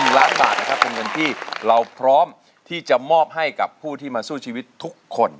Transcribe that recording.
๑ล้านบาทนะครับเป็นเงินที่เราพร้อมที่จะมอบให้กับผู้ที่มาสู้ชีวิตทุกคน